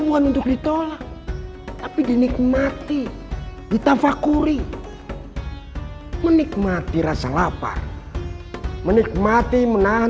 tuhan untuk ditolak tapi dinikmati ditafakuri menikmati rasa lapar menikmati menahan